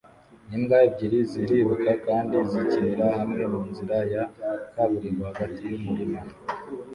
Imbwa ebyiri ziriruka kandi zikinira hamwe munzira ya kaburimbo hagati yumurima